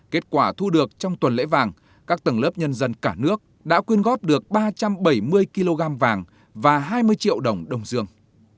kết quả thu được trong tuần lễ vàng các tầng lớp nhân dân cả nước đã quyên góp được ba trăm bảy mươi kg vàng và hai mươi triệu đồng đông dương